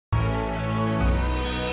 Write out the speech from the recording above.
jangan lupa untuk berhati hati